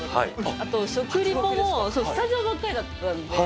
あと、食リポもスタジオばっかりだったので。